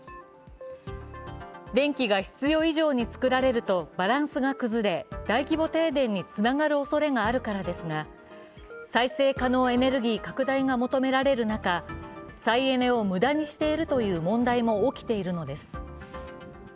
電気が必要以上に作られるとバランスが崩れ大規模停電につながるおそれがあるからですが再生可能エネルギー拡大が求められる中、再エネを無駄にしているという問題も起きているのです。